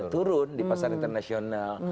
turun di pasar internasional